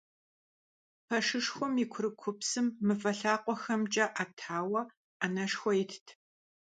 Пэшышхуэм и курыкупсым мывэ лъакъуэхэмкӀэ Ӏэтауэ Ӏэнэшхуэ итт.